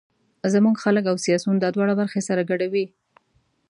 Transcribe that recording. زموږ خلک او سیاسون دا دواړه برخې سره ګډوي.